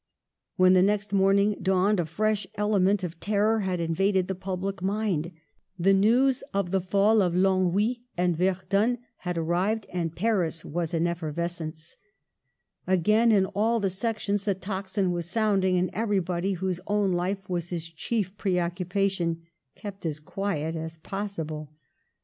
When the next morning dawned a fresh ele ment of terror had invaded the public mind. Digitized by VjOOQIC 64 MADAME DE STAEL The news of the fall of Longwy and Verdun had arrived and Paris was in effervescence. Again in all the sections the tocsin was soundifcg ; and everybody whose own life was his chief preoc cupation kept as quiet as possible.